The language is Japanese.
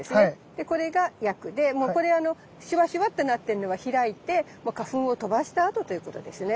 でこれがやくでもうこれシワシワってなってんのが開いてもう花粉を飛ばしたあとということですね。